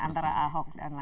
antara ahok dan lainnya